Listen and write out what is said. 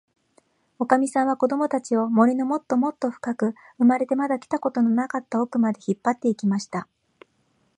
おかみさんは、こどもたちを、森のもっともっとふかく、生まれてまだ来たことのなかったおくまで、引っぱって行きました。